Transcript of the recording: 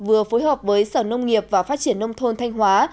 vừa phối hợp với sở nông nghiệp và phát triển nông thôn thanh hóa